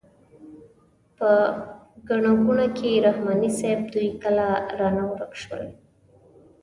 په ګڼه ګوڼه کې رحماني صیب دوی کله رانه ورک شول.